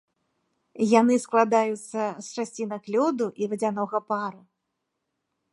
Яны складаюцца з часцінак лёду і вадзянога пару.